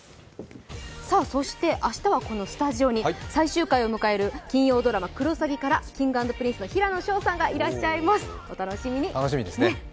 そして、明日は、このスタジオに最終回を迎える金曜ドラマ「クロサギ」からＫｉｎｇ＆Ｐｒｉｎｃｅの平野紫耀さんがいらっしゃいます、お楽しみに。